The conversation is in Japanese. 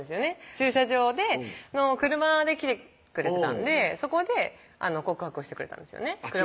駐車場で車で来てくれてたんでそこで告白をしてくれたんですよね